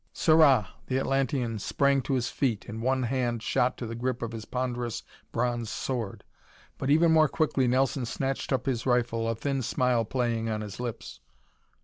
"Sirrah!" The Atlantean sprang to his feet and one hand shot to the grip of his ponderous, bronze sword; but even more quickly Nelson snatched up his rifle, a thin smile playing on his lips.